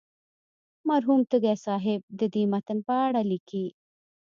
مرحوم تږی صاحب د دې متن په اړه لیکي.